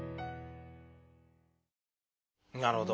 なるほど。